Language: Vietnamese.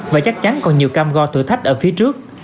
và chắc chắn còn nhiều cam go thử thách ở phía trước